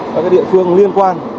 các địa phương liên quan